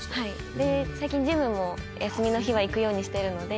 最近ジムも休みの日は行くようにしてるので。